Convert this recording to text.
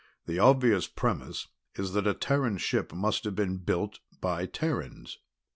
"The obvious premise is that a Terran ship must have been built by Terrans.